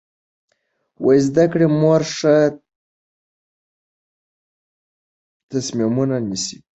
د زده کړې مور ښه تصمیمونه نیسي.